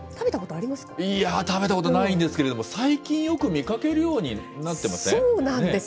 いや、食べたことないんですけれども、最近よく見かけるようになってません？